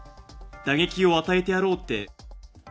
打撃を与えてやろうって。